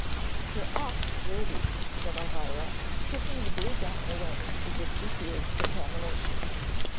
"You're awful dirty," said Elvira, picking the blue gown away as if she feared contamination.